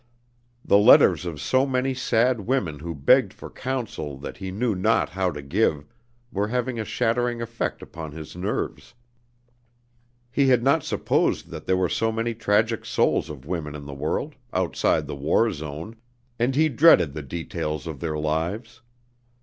The letters of so many sad women who begged for counsel that he knew not how to give, were having a shattering effect upon his nerves. He had not supposed that there were so many tragic souls of women in the world, outside the war zone, and he dreaded the details of their lives.